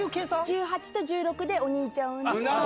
１８と１６でお兄ちゃん産んで。